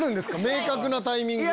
明確なタイミング。